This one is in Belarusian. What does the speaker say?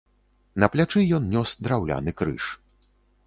На плячы ён нёс драўляны крыж.